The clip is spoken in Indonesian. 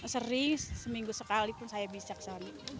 seri seminggu sekali pun saya bisa kesali